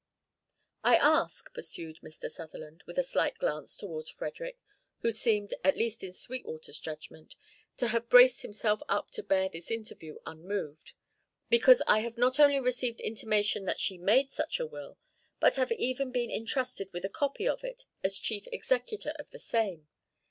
"I ask," pursued Mr. Sutherland, with a slight glance toward Frederick, who seemed, at least in Sweetwater's judgment, to have braced himself up to bear this interview unmoved, "because I have not only received intimation that she made such a will, but have even been entrusted with a copy of it as chief executor of the same.